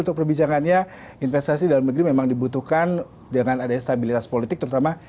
untuk perbincangannya investasi dalam negeri memang dibutuhkan dengan ada stabilitas politik terutama